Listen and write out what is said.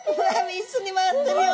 一緒に回ってるよ！